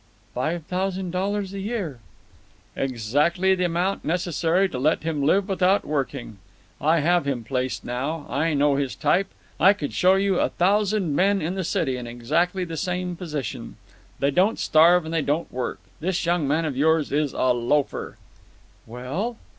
"Five thousand dollars a year." "Exactly the amount necessary to let him live without working. I have him placed now. I know his type. I could show you a thousand men in this city in exactly the same position. They don't starve and they don't work. This young man of yours is a loafer." "Well?"